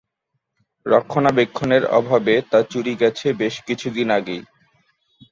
রক্ষণাবেক্ষণের অভাবে তা চুরি গেছে বেশ কিছুদিন আগেই।